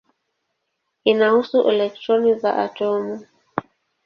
Inahusu elektroni za atomu.